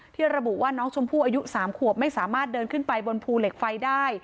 ระบุว่าน้องชมพู่อายุ๓ขวบไม่สามารถเดินขึ้นไปบนภูเหล็กไฟได้